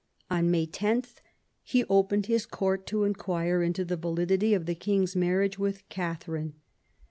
On May 10, he opened his court to in quire into the validity of the King's marriage with Catherine.